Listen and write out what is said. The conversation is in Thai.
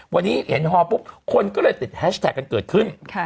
วันนี้เห็นฮอปุ๊บคนก็เลยติดแฮชแท็กกันเกิดขึ้น